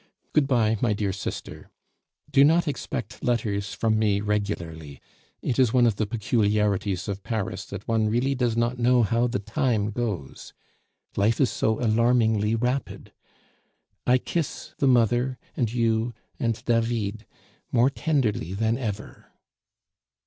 Good bye my dear sister. Do not expect letters from me regularly; it is one of the peculiarities of Paris that one really does not know how the time goes. Life is so alarmingly rapid. I kiss the mother and you and David more tenderly than ever.